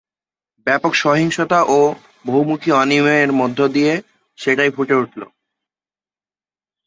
ব্যাপক সহিংসতা ও বহুমুখী অনিয়মের মধ্য দিয়ে সেটাই ফুটে উঠল।